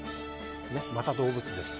また動物です